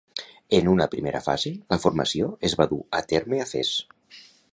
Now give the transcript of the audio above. En una primera fase, la formació es va dur a terme a Fès.